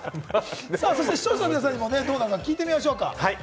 視聴者の皆さんにもどうなのか聞いてみましょうか？